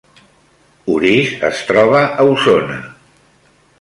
Orís es troba a Osona